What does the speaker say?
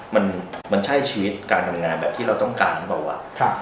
มันมันใช่ชีวิตการทำงานแบบที่เราต้องการหรือเปล่าวะ